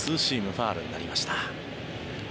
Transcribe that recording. ファウルになりました。